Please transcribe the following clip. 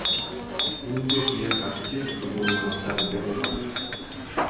Ун чухнех артистка пулнӑ ҫав Верук.